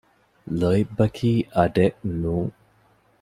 ލޯތްބަކީ އަޑެއް ނޫން